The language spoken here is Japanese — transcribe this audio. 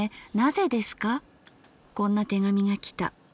こんな手紙がきた。